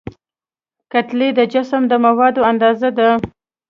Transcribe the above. کتلې د جسم د موادو اندازه ده.